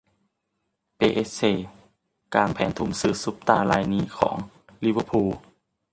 เปแอสเช กางแผนทุ่มซื้อซุปตาร์รายนี้ของ ลิเวอร์พูล